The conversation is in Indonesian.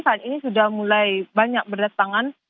saat ini sudah mulai banyak berdatangan